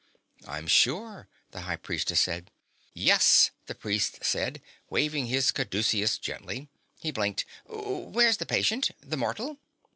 "I'm sure," the High Priestess said. "Yes," the priest said, waving his caduceus gently. He blinked. "Where's the patient? The mortal?"